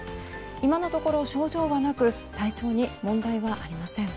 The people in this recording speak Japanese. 今のところ症状はなく体調に問題はありません。